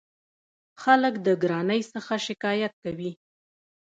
خلک د ګرانۍ څخه شکایت کوي.